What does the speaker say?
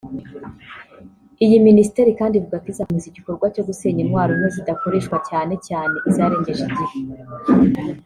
Iyi minisitere kandi ivuga ko izakomeza igikorwa cyo gusenya intwaro nto zidakoreshwa cyane cyane izarengeje igihe